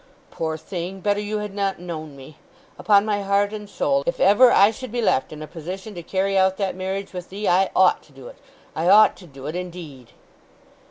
"Poor thing—better you had not known me! Upon my heart and soul, if ever I should be left in a position to carry out that marriage with thee, I ought to do it—I ought to do it, indeed!"